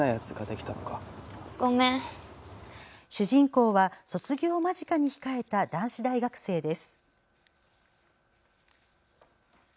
主人公は、卒業を間近に控えた男子大学生です。